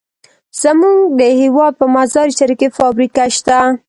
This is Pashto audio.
زمونږ د هېواد په مزار شریف کې فابریکه شته.